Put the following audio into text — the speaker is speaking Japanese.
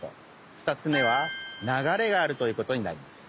２つめは流れがあるということになります。